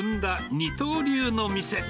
二刀流の店。